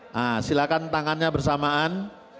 nah silakan tangannya bersamaan